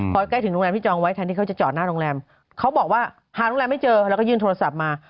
พอใกล้ถึงโรงแรมที่จองไว้แทนที่เขาจะจอดหน้าโรงแรมเขาบอกว่าหาโรงแรมไม่เจอแล้วก็ยื่นโทรศัพท์มา